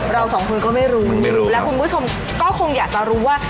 เรา๒คนก็ไม่รู้และคุณผู้ชมก็คงอยากจะรู้ว่า